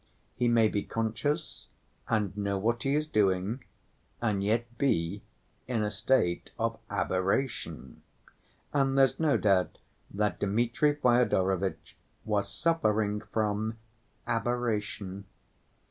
He may be conscious and know what he is doing and yet be in a state of aberration. And there's no doubt that Dmitri Fyodorovitch was suffering from aberration.